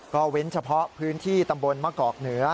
ก็เว้นเฉพาะพื้นที่ตำบลมะกอกเหนือ